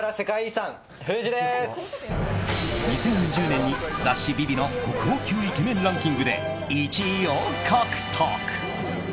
２０２０年に雑誌「ＶｉＶｉ」の国宝級イケメンランキングで１位を獲得。